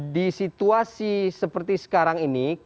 di situasi seperti sekarang ini